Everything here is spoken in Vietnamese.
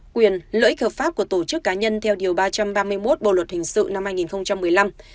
quyền lợi ích hợp pháp của tổ chức cá nhân theo điều ba trăm ba mươi một bộ luật hình sự năm hai nghìn một mươi năm